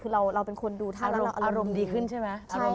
คือเราเป็นคนดูท่าเราอารมณ์ดีขึ้นใช่ไหม